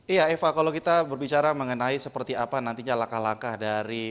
iya eva kalau kita berbicara mengenai seperti apa nantinya langkah langkah dari